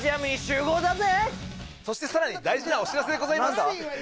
そしてさらに大事なお知らせでございます。